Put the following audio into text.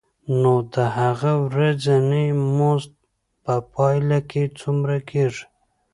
نو د هغه ورځنی مزد په پایله کې څومره کېږي